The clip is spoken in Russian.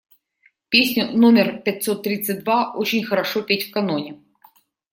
Песню номер пятьсот тридцать два очень хорошо петь в каноне.